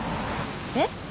えっ？